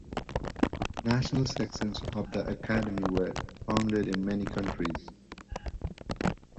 National Sections of the Academy were founded in many countries.